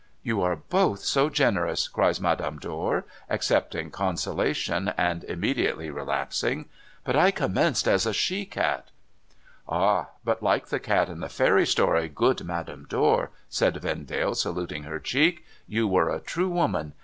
' You are both so generous,' cries Madame Dor, accepting consolation, and immediately relapsing. ' But I commenced as a she cat.' ' Ah ! But like the cat in the fairy story, good Madame Dor,' says Vendale, saluting her cheek, ' you were a true woman.